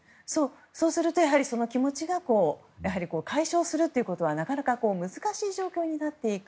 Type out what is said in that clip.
そうすると、やはり気持ちが解消するということはなかなか難しい状況になっていく。